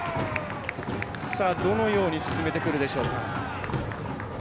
どのように進めてくるでしょうか。